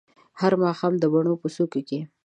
هر ماښام د بڼو په څوکو کې